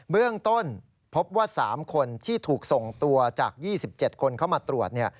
เบื้องต้นพบว่า๓คนที่ถูกส่งตัวจาก๒๗คนเข้ามาตรวจ